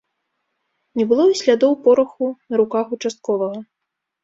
Не было і слядоў пораху на руках участковага.